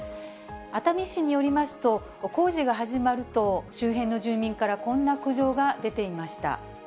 熱海市によりますと、工事が始まると、周辺の住民からこんな苦情が出ていました。